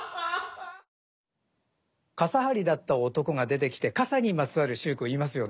傘張りだった男が出てきて傘にまつわる秀句を言いますよね。